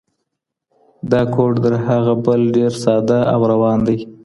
دا کوډ تر هغه بل ډېر ساده او روان دی.